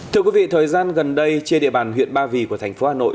thưa quý vị thời gian gần đây trên địa bàn huyện ba vì của thành phố hà nội